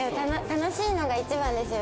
楽しいのが一番ですよね